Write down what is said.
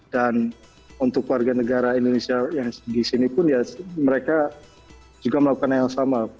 dan untuk warga negara indonesia yang di sini pun ya mereka juga melakukan hal yang sama